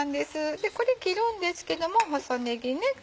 これ切るんですけども細ねぎね